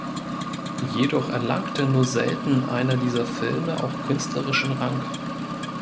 Jedoch erlangte nur selten einer dieser Filme auch künstlerischen Rang.